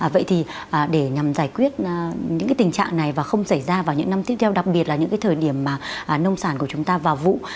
vậy thì để nhằm giải quyết những tình trạng này và không xảy ra vào những năm tiếp theo đặc biệt là những cái thời điểm mà nông sản của chúng ta vào vụ